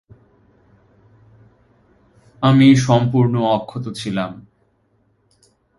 আমি সম্পূর্ণ অক্ষত ছিলাম।